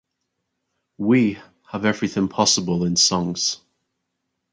"We" have everything possible in songs.